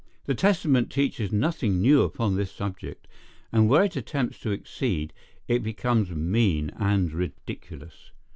The Testament teaches nothing new upon this subject, and where it attempts to exceed, it becomes mean and ridiculous.